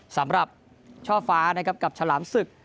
สำหรับช่อฟ้ากับฉลามสึก